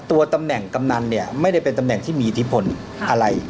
ตัวตำแหน่งกำนันเนี่ยไม่ได้เป็นตำแหน่งที่มีอิทธิพลอะไร